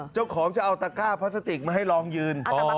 เจ้าของจะเอาตะก้าพลาสติกมาให้ลองยืน